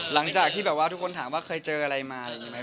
หลังจากที่แบบว่าทุกคนถามว่าเคยเจออะไรมาอะไรอย่างนี้ไหม